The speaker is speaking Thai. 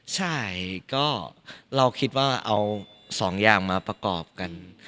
ใช่ก็เราคิดว่าเอา๒อย่างมาประกอบกัน